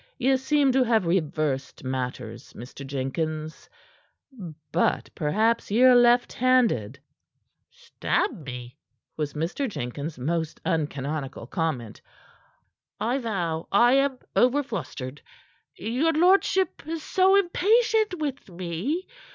Ye seem to have reversed matters, Mr. Jenkins. But perhaps ye're left handed." "Stab me!" was Mr. Jenkins' most uncanonical comment. "I vow I am over flustered. Your lordship is so impatient with me.